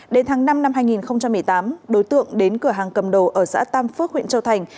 đến tháng năm năm hai nghìn một mươi tám đối tượng đến cửa hàng cầm đồ ở xã tam phước huyện châu thành